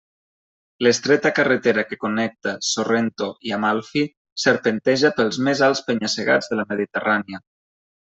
L'estreta carretera que connecta Sorrento i Amalfi serpenteja pels més alts penya-segats de la Mediterrània.